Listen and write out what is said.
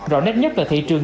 rõ nét nhất là thị trường